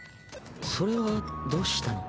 それはどうしたの？